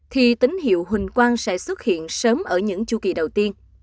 thì tín hiệu hình quang sẽ xuất hiện sớm ở những chu kỳ đầu tiên